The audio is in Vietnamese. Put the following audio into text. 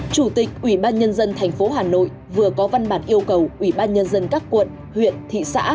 chủ tịch ủy ban nhân dân tp hà nội vừa có văn bản yêu cầu ủy ban nhân dân các quận huyện thị xã